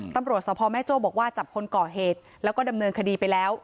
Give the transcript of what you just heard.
ตำรวจสพแม่โจ้บอกว่าจับคนก่อเหตุแล้วก็ดำเนินคดีไปแล้ว